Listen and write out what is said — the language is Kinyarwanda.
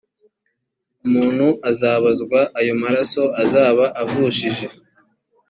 umuntu azabazwa ayo maraso azaba avushije